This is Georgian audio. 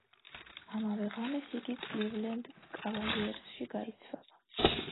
ამავე ღამეს იგი კლივლენდ კავალიერსში გაიცვალა.